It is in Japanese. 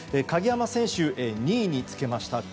鍵山選手、２位につけました。